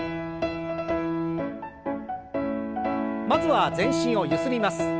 まずは全身をゆすります。